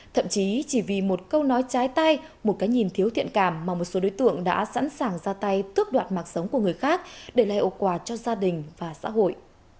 thậm chí chỉ vì một câu nói trái tay một cái nhìn thiếu thiện cảm mà một số đối tượng đã sẵn sàng ra tay tước đoạt mạng sống của người khác để lại hậu quả cho gia đình và xã hội